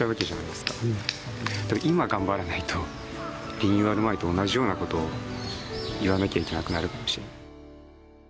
リニューアル前と同じようなことを言わなきゃいけなくなるかもしれない。